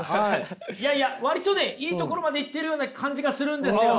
いやいや割とねいいところまでいってるような感じがするんですよ。